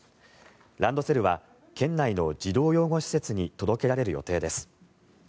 ランドセルは県内の児童養護施設に届けられる予定です。